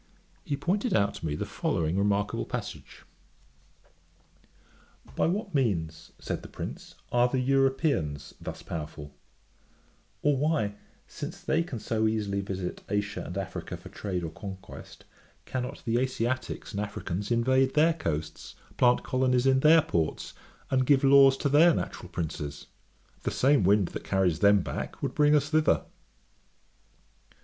He pointed out to me the following remarkable passage: 'By what means (said the prince) are the Europeans thus powerful; or why, since they can so easily visit Asia and Africa for trade or conquest, cannot the Asiaticks and Africans invade their coasts, plant colonies in their ports, and give laws to their natural princes? The same wind that carries them back would bring us thither.'